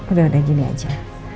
udah udah gini aja